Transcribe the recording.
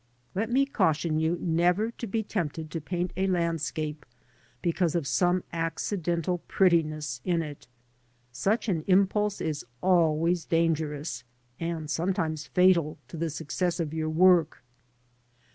Let me caution you never to be tempted to paint a landscape because of some accidental prettiness in it Such an impulse is alwa3rs dangerous, and sometimes fatal, to the success of your work.